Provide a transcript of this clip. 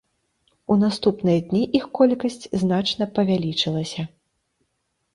У наступныя дні іх колькасць значна павялічылася.